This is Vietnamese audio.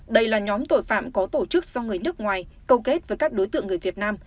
đây là nhóm tội phạm có tổ chức do người nước ngoài câu kết với các đối tượng người việt nam